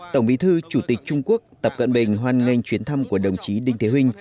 tổng bí thư chủ tịch trung quốc tập cận bình hoan nghênh chuyến thăm của đồng chí đinh thế huynh